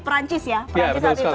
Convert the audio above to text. perancis saat itu ya